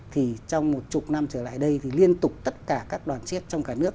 thì trong một chục năm trở lại đây thì liên tục tất cả các đoàn chiết trong cả nước